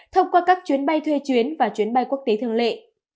thông qua các chuyến bay thuê chuyến và chuyến bay quốc tế thường lệ